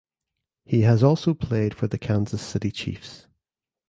He has also played for the Kansas City Chiefs.